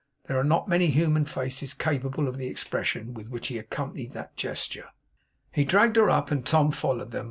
There are not many human faces capable of the expression with which he accompanied that gesture. He dragged her up, and Tom followed them.